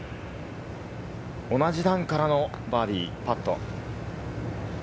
同じ段からのバーディーパット。